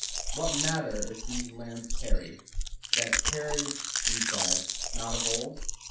What matter if these lands tarry, That tarried (we said) not of old?